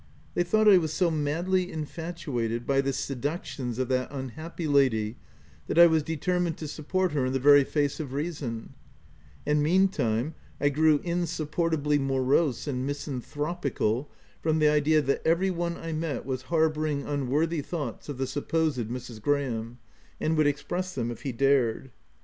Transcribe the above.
They thought I was so madly infatuated by the se ductions of that unhappy lady that I was de termined to support her in the very face of reason ; and meantime I grew insupportably morose and misanthropical from the idea that every one I met was harbouring unworthy thoughts of the supposed Mrs. Graham, and would express them if he dared.